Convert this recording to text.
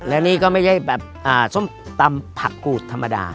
แล้วนี่ก็ไม่ใช่แบบส้มตำผักกูดธรรมดา